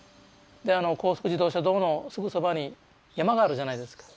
であの高速自動車道のすぐそばに山があるじゃないですか。